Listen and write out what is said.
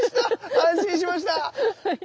安心しました。